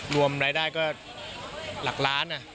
รวมรายได้ก็หลักล้าน